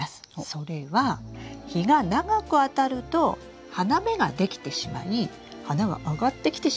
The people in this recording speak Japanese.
それは日が長くあたると花芽ができてしまい花が上がってきてしまう。